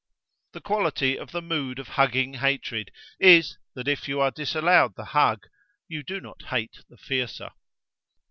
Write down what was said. The quality of the mood of hugging hatred is, that if you are disallowed the hug, you do not hate the fiercer.